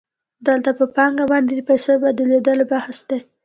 دلته په پانګه باندې د پیسو د بدلېدو بحث دی